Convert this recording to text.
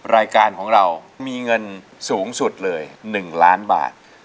รายการของเรามีเงินสูงสุดเลย๑ล้านบาท